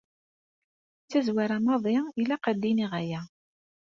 Tazwara maḍi, ilaq ad d-iniɣ aya.